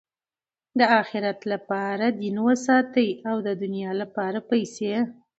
د آخرت له پاره دین وساتئ! او د دؤنیا له پاره پېسې.